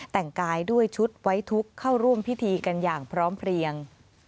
แต่งกายด้วยชุดไว้ทุกข์เข้าร่วมพิธีกันอย่างพร้อมเพลียง